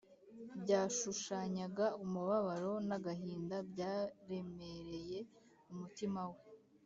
byashushanyaga umubabaro n’agahinda byaremereye umutima we